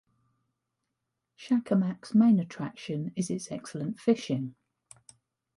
Shakamak's main attraction is its excellent fishing.